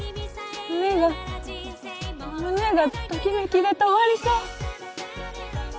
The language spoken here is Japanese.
胸が胸がときめきで止まりそう！